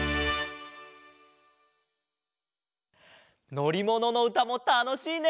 のりもののうたもたのしいね！